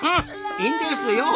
いいんですよ！